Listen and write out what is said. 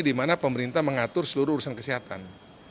di mana pemerintah mengatur seluruh urusan kesehatan